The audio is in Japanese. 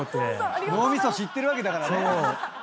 脳みそ知ってるわけだからね。